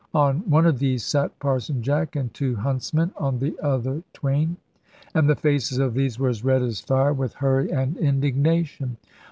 On one of these sate Parson Jack, and two huntsmen on the other twain, and the faces of these were as red as fire with hurry and indignation.